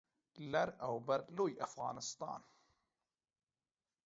لر او بر لوی افغانستان